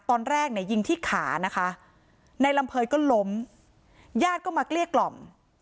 ตอนแรกเนี่ยยิงที่ขานะคะในลำเภยก็ล้มญาติก็มาเกลี้ยกล่อม